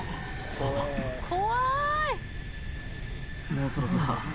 もうそろそろだぞ・